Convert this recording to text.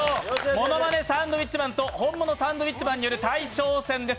ものまねサンドウィッチマンとホンモノサンドウィッチマンによる対戦です。